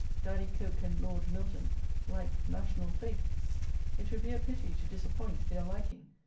Daddy Coke and Lord Milton like "national faith;" it would be a pity to disappoint their liking.